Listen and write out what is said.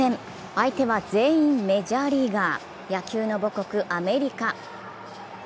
相手は全員メジャーリーガー、野球の母国・アメリカ。